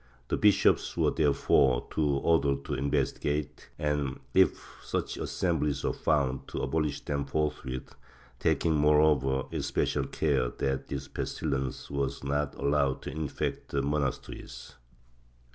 The bishops were therefore ordered to investigate and, if such assemblies were found, to abolish them forthwith, taking moreover especial care that this pestilence was not allowed to infect the monasteries.